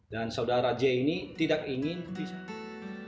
dan saudara j ini tidak ingin pisah